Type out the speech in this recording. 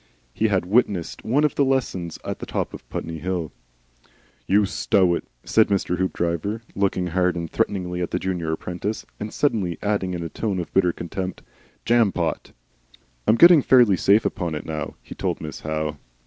(He had witnessed one of the lessons at the top of Putney Hill.) "You stow it," said Mr. Hoopdriver, looking hard and threateningly at the junior apprentice, and suddenly adding in a tone of bitter contempt, "Jampot." "I'm getting fairly safe upon it now," he told Miss Howe.